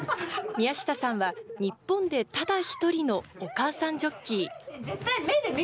宮下さんは、日本でただ一人のお母さんジョッキー。